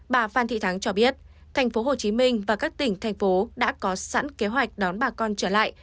bà phan thị thắng cho biết tp hcm và các tỉnh thành phố đã có sẵn kế hoạch đón bà con trở lại